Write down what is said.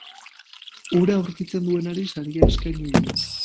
Hura aurkitzen duenari saria eskaini dio.